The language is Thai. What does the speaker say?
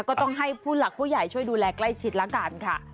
ก็ต้องให้ผู้หลักผู้ใหญ่ช่วยดูแลใกล้ชิดละกันค่ะ